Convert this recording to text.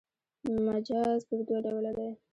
مجاز پر دوه ډوله دﺉ.